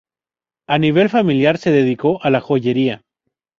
A nivel familiar se dedicó a la joyería.